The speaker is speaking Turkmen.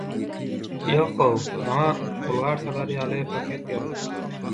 – Ýok-how, maňa bulgar salar ýaly paket gerek.